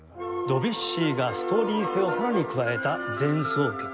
ドビュッシーがストーリー性をさらに加えた前奏曲。